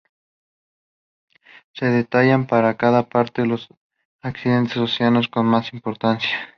Se detallan para cada parte, los accidentes óseos con más importancia.